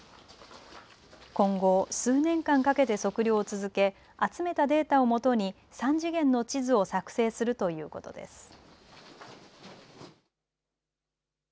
今後、数年間かけて測量を続け集めたデータをもとに３次元の地図を作製するということです。